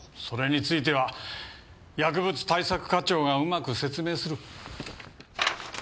それについては薬物対策課長がうまく説明する。